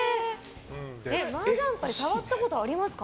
マージャン牌触ったことありますか？